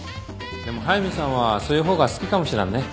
でも速見さんはそういう方が好きかもしらんね。